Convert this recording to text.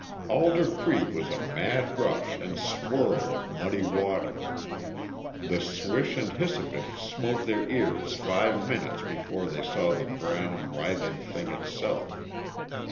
Alder Creek was a mad rush and swirl of muddy water; the swish and hiss of it smote their ears five minutes before they saw the brown, writhing thing itself.